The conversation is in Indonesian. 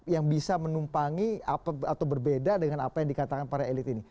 yang bisa menumpangi atau berbeda dengan apa yang dikatakan para elit ini